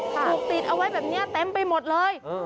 ถูกติดเอาไว้แบบนี้เต็มไปหมดเลย